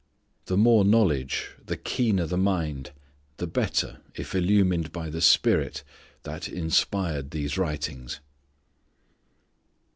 The more knowledge, the keener the mind, the better if illumined by the Spirit that inspired these writings.